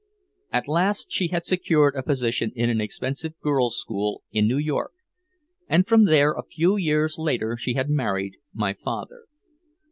At last she had secured a position in an expensive girls' school in New York, and from there a few years later she had married my father.